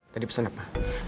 tadi pesen apa